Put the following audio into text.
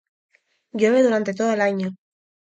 Llueve durante todo el año.